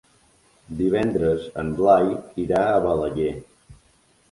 Divendres en Blai irà a Balaguer.